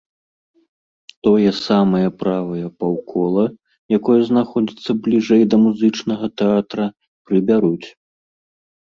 Тое самае правае паўкола, якое знаходзіцца бліжэй да музычнага тэатра, прыбяруць.